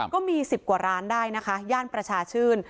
ก็มี๑๐กว่าร้านได้นะคะย่านประชาชื่น